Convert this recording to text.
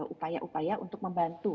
upaya upaya untuk membantu